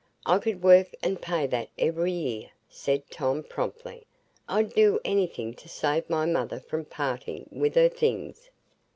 "I could work and pay that every year," said Tom, promptly. "I'd do anything to save my mother from parting with her things."